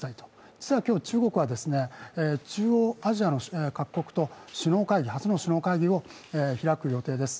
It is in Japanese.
実は今日中国は中央アジアの各国と初の首脳会議を開く予定です。